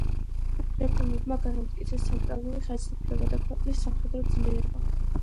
რეფორმებმა განამტკიცეს ცენტრალური ხელისუფლება და ქვეყნის სამხედრო ძლიერება.